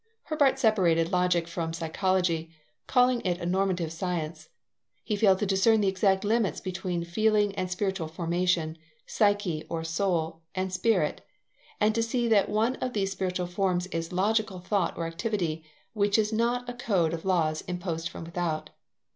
Herbart separated logic from psychology, calling it a normative science; he failed to discern the exact limits between feeling and spiritual formation, psyche or soul, and spirit, and to see that one of these spiritual formations is logical thought or activity, which is not a code of laws imposed from without.